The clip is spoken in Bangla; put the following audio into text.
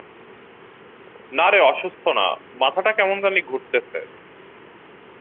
না রে অসুস্থ না, মাথাটা কেমন জানি ঘুরতেছে।